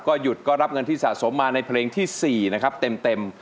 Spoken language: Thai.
หยุดก็รับเงินที่สะสมมาในเพลงที่๔นะครับเต็ม